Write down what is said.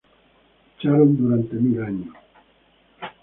Lucharon durante mil años.